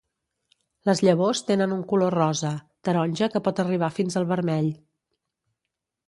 Les llavors tenen un color rosa, taronja que pot arribar fins al vermell.